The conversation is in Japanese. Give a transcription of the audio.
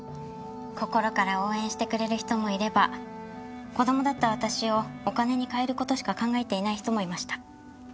心から応援してくれる人もいれば子供だった私をお金に換える事しか考えていない人もいました。